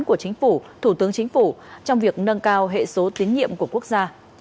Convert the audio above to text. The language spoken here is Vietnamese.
của chính phủ thủ tướng chính phủ trong việc nâng cao hệ số tiến nhiệm của quốc gia